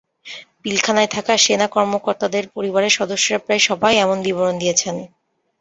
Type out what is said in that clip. পিলখানায় থাকা সেনা কর্মকর্তাদের পরিবারের সদস্যরা প্রায় সবাই এমন বিবরণ দিয়েছেন।